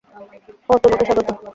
ওহ, তোমাকে স্বাগত।